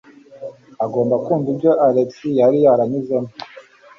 Agomba kumva ibyo Alex yari yaranyuzemo.